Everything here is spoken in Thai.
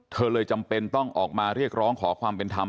เธอเลยจำเป็นต้องออกมาเรียกร้องขอความเป็นธรรม